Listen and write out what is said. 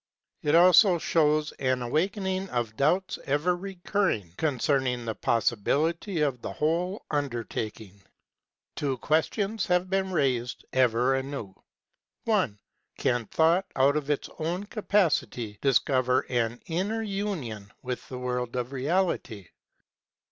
It also shows an awakening of doubts ever recurring concerning the possibility of the whole under taking. Two questions have been raised ever anew : (1) Can Thought, out of its own capacity, discover an inner union with the world of Reality?